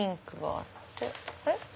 あれ？